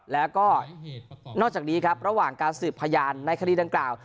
แล้วก็นอกจากนี้ครับระหว่างการสืบพยานในคดีดังกล่าว